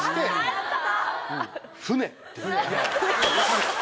やった！